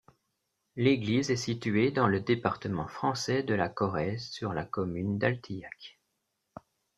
L'église est située dans le département français de la Corrèze, sur la commune d'Altillac.